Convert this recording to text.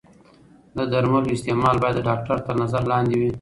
د درملو استعمال باید د ډاکتر تر نظر لاندې وي.